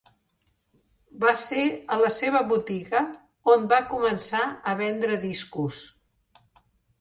Va ser a la seva botiga on va començar a vendre discos.